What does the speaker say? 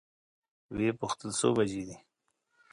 وې پوښتل څو بجې دي؟